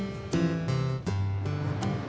kalau enggak terus terang